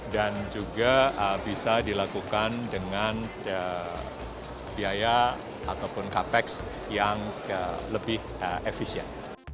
dan juga bisa dilakukan dengan biaya ataupun capex yang lebih efisien